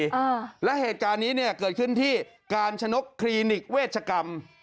อ่าและเหตุการณ์นี้เนี่ยเกิดขึ้นที่การชนกคลินิกเวชกรรม